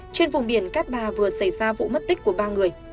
trên vùng biển cát bà vừa xảy ra vụ mất tích của ba người